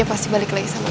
perluan ada orang lewat